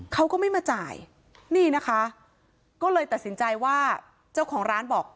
เขาก็ไม่มาจ่ายนี่นะคะก็เลยตัดสินใจว่าเจ้าของร้านบอก